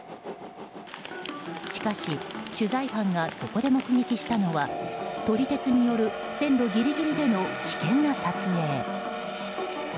しかし取材班がそこで目撃したのは撮り鉄による線路ギリギリでの危険な撮影。